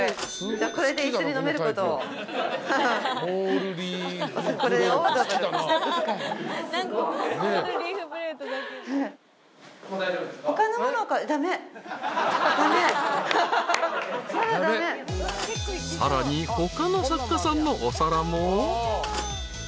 ［さらに他の作家さんのお皿も］